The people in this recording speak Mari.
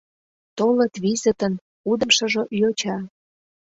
Толыт визытын, кудымшыжо йоча.